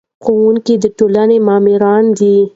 ښوونکي د ټولنې معماران دي.